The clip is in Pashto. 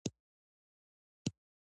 آب وهوا د افغانستان د اقلیم ځانګړتیا ده.